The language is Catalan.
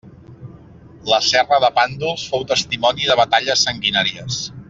La serra de Pàndols fou testimoni de batalles sanguinàries.